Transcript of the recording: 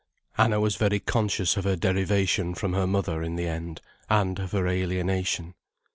Anna was very conscious of her derivation from her mother, in the end, and of her alienation.